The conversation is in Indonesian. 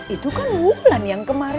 itu kan wulan yang kemarin